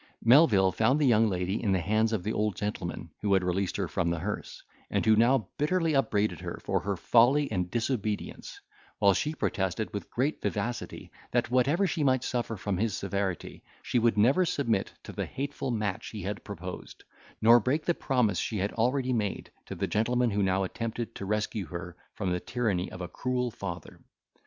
Melvil found the young lady in the hands of the old gentleman, who had released her from the hearse, and who now bitterly upbraided her for her folly and disobedience; while she protested with great vivacity, that whatever she might suffer from his severity, she would never submit to the hateful match he had proposed, nor break the promise she had already made to the gentleman who now attempted to rescue her from the tyranny of a cruel father.